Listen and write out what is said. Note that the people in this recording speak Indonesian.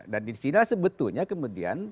dan di sini sebetulnya kemudian